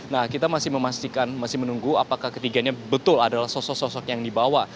nah kita masih memastikan masih menunggu apakah ketiganya betul adalah sosok sosok yang dibawa